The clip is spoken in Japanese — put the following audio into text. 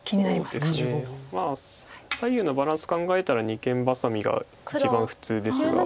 まあ左右のバランス考えたら二間バサミが一番普通ですが。